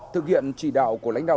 thực hiện trì đạo của lãnh đạo